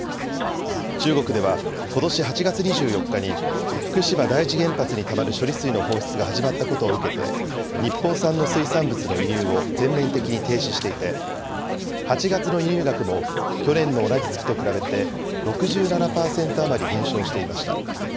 中国ではことし８月２４日に、福島第一原発にたまる処理水の放出が始まったことを受けて、日本産の水産物の輸入を全面的に停止していて、８月の輸入額も去年の同じ月と比べて６７％余り減少していました。